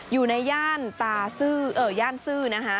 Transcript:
อยู่ในย่านซื้ออ่ะย่านซื้อนะฮะ